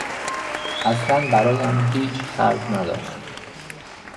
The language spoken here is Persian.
اصلا برایم هیچ خرج نداشت.